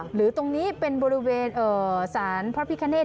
หรือตรงนี้เป็นบริเวณสารพระพิคเนต